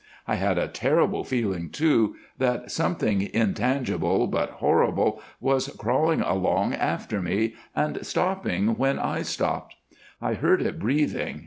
I had a terrible feeling, too, that something intangible, but horrible, was crawling along after me and stopping when I stopped. I heard it breathing.